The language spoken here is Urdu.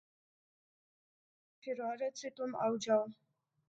گرمیِ ذوقِ شرارت سے تُم آؤ جاؤ